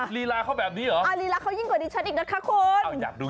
ลีลาเขาแบบนี้เหรออ่าลีลาเขายิ่งกว่าดิฉันอีกนะคะคุณ